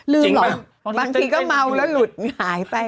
เหรอบางทีก็เมาแล้วหลุดหายไป